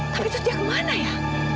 tapi terus dia kemana ya